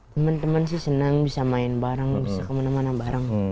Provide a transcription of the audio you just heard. teman teman sih senang bisa main bareng bisa kemana mana bareng